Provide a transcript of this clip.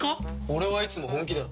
俺はいつも本気だ。